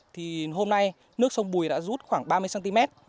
thì hôm nay nước sông bùi đã rút khoảng ba mươi cm